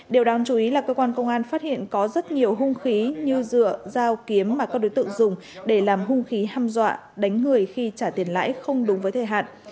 điều đáng chú ý là cơ quan công an phát hiện có rất nhiều hung khí như dựa dao kiếm mà các đối tượng dùng để làm hung khí hâm dọa đánh người khi trả tiền lãi không đúng với thời hạn